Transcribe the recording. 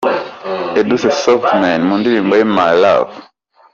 Edouce Softman mu ndirimbo 'My Love'.